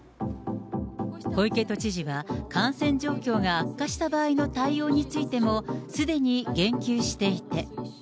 小池都知事が、感染状況が悪化した場合の対応についても、すでに言及していて。